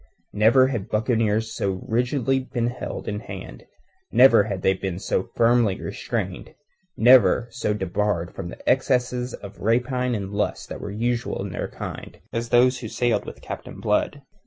Never had buccaneers been so rigidly held in hand, never had they been so firmly restrained, never so debarred from the excesses of rapine and lust that were usual in their kind as those who sailed with Captain Blood.